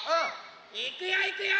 いくよいくよ！